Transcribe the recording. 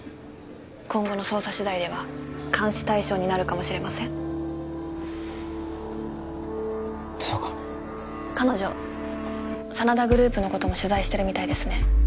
今後の捜査次第では監視対象になるかもしれませんそうか彼女真田グループのことも取材してるみたいですね